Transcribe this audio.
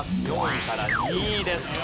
４位から２位です。